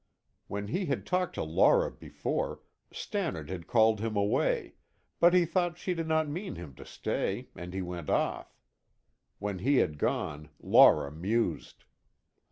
When he had talked to Laura before, Stannard had called him away, but he thought she did not mean him to stay and he went off. When he had gone Laura mused.